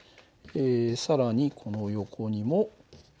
更にこの横にもこう。